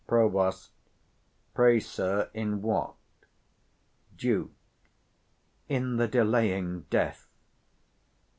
Prov. Pray, sir, in what? 155 Duke. In the delaying death.